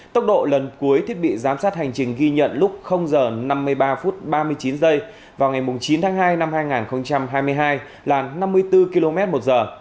tốc độ lần cuối thiết bị giám sát hành trình ghi nhận lúc h năm mươi ba phút ba mươi chín giây vào ngày chín tháng hai năm hai nghìn hai mươi hai là năm mươi bốn km một giờ